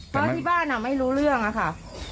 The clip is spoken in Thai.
เพราะที่บ้านไม่รู้เรื่องอะค่ะ